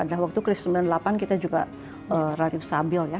dan waktu krisis sembilan puluh delapan kita juga rakyat stabil ya